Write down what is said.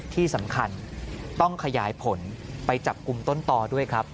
ที่สำคัญต้องขยายผลไปจับกลุ่มต้นต่อด้วยครับ